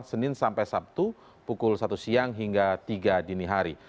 senin sampai sabtu pukul satu siang hingga tiga dini hari